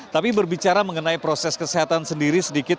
tapi berbicara mengenai proses kesehatan sendiri sedikit